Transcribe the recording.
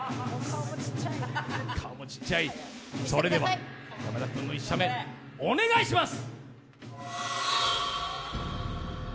顔もちっちゃい、それでは山田君の１射目、お願いします。